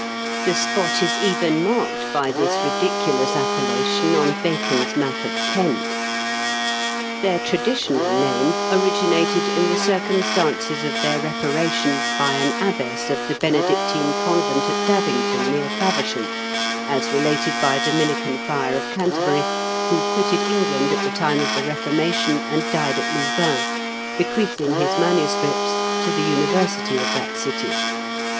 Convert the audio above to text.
The spot is even marked by this ridiculous appellation on Bacon's map of Kent. Their traditional name THE 8I8TEB8 OF DAVINQTON. 801 originated in the circumstances of their repara tion by an abbess of the Benedictine convent at Davington, near Feversham, as related by a Dominican friar of Canterbury, who quitted England at the time of the Eeformation, and died at Louvain, bequeathing his manuscripts to the university of that city.